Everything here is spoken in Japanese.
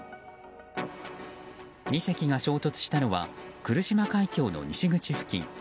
２隻が衝突したのは来島海峡の西口付近。